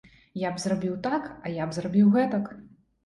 Я б зрабіў так, а я б зрабіў гэтак.